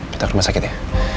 kita ke rumah sakit ya